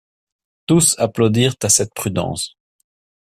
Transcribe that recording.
Tous applaudirent à cette prudence.